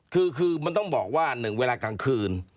คือมันต้องบอกว่า๑เวลากลางคืน